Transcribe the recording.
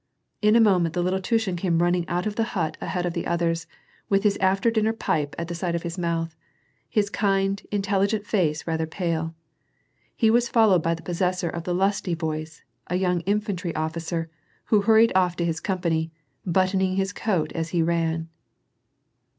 In a moment the little Tushin came running out of the hut ahead of the others, with his after dinner pipe at the side of his mouth ; his kind, intelligent face was rather pale. He wius followed by the possessor of the lusty voice, a young infan try officer, who hurried off to his company, buttoning his coat as he ran.